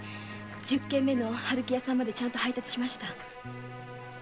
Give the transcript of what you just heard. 十軒目の春喜屋さんまでちゃんと配達しました。